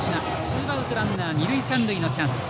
ツーアウトランナー、二塁三塁のチャンス。